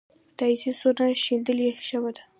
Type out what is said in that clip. متيازې څونه شيندلی شمه.